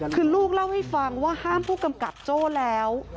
คือลูกเล่าให้ฟังว่าห้ามผู้กำกับโจ้แล้ว